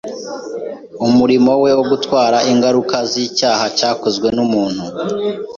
Umurimo we wo gutwara ingaruka z’icyaha cyakozwe n’umuntu